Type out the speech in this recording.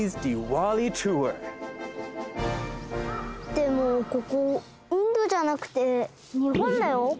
でもここインドじゃなくて日本だよ？